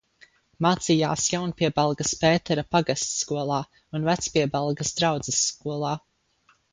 Mācījās Jaunpiebalgas Pētera pagastskolā un Vecpiebalgas draudzes skolā.